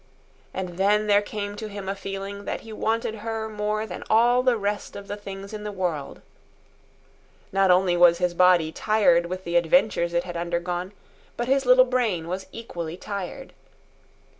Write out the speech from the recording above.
And then there came to him a feeling that he wanted her more than all the rest of the things in the world. Not only was his body tired with the adventures it had undergone, but his little brain was equally tired.